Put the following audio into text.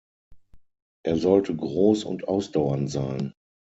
Er sollte groß und ausdauernd sein.